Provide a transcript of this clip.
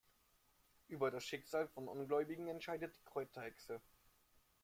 Über das Schicksal von Ungläubigen entscheidet die Kräuterhexe.